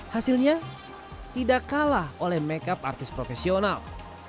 hasilnya tidak kalah oleh makeup artis profesional